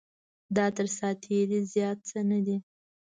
دا تر ساعت تېرۍ زیات څه نه دی.